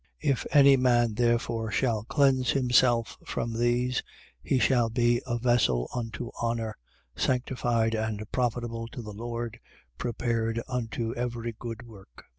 2:21. If any man therefore shall cleanse himself from these, he shall be a vessel unto honour, sanctified and profitable to the Lord, prepared unto every good work.